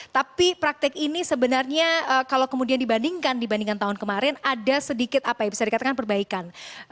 tapi praktik ini sebenarnya kalau kemudian dibandingkan dibandingkan tahun kemarin ada sedikit apa ya bisa dikatakan perbaikan